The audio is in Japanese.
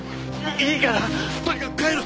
いいからとにかく帰ろう！